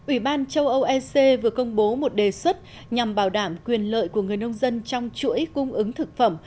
ủy ban châu âu ec vừa công bố một đề xuất nhằm bảo đảm quyền lợi của người nông dân trong chuỗi cung ứng thực phẩm